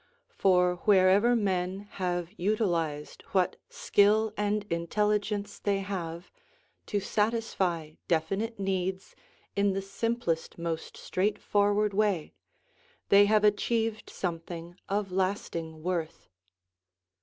For wherever men have utilized what skill and intelligence they have to satisfy definite needs in the simplest, most straightforward way, they have achieved something of lasting worth.